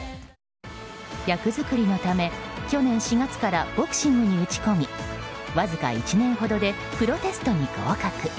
役作りのため、去年４月からボクシングに打ち込みわずか１年ほどでプロテストに合格。